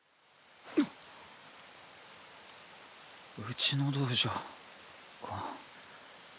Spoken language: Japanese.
うちの道場か。